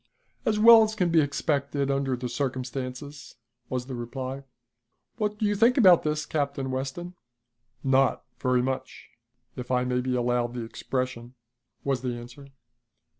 "As well as can be expected under the circumstances," was the reply. "What do you think about this, Captain Weston?" "Not very much, if I may be allowed the expression," was the answer.